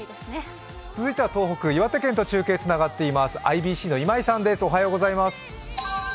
続いては東北、岩手県と中継がつながっています、ＩＢＣの岩井さんです。